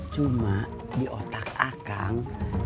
cuma di otak akang